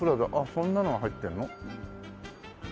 そんなのが入ってるの？